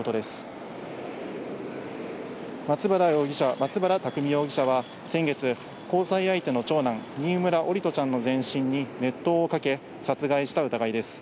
松原拓海容疑者は、先月、交際相手の長男、新村桜利斗ちゃんの全身に熱湯をかけ殺害した疑いです。